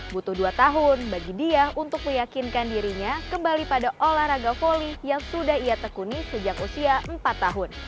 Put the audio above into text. butuh dua tahun bagi dia untuk meyakinkan dirinya kembali pada olahraga volley yang sudah ia tekuni sejak usia empat tahun